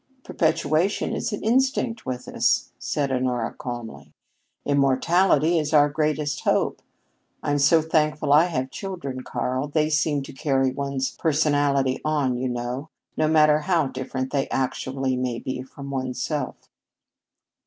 "Perpetuation is an instinct with us," said Honora calmly, "Immortality is our greatest hope. I'm so thankful I have my children, Karl. They seem to carry one's personality on, you know, no matter how different they actually may be from one's self."